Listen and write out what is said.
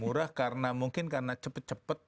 murah karena mungkin karena cepet cepet